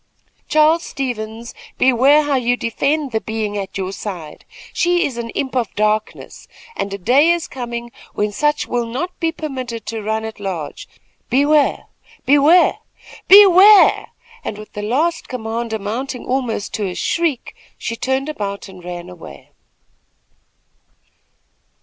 "Charles Stevens, beware how you defend the being at your side. She is an imp of darkness, and a day is coming when such will not be permitted to run at large. Beware! beware! BEWARE!" and with the last command amounting almost to a shriek, she turned about and ran away.